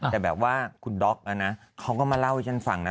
แต่แบบว่าคุณด๊อกนะเขาก็มาเล่าให้ฉันฟังนะ